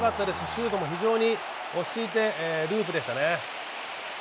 シュート非常に落ち着いてループでしたね。